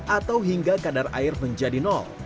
atau hingga kadar air menjadi nol